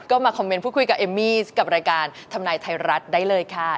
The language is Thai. ก็มาคอมเมนต์พูดคุยกับเอมมี่กับรายการทำนายไทยรัฐได้เลยค่ะ